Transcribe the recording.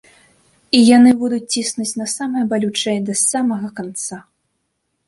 І яны будуць ціснуць на самае балючае да самага канца.